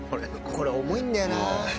これ重いんだよな。